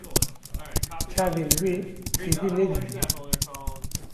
Çavên wê êdî nedîdît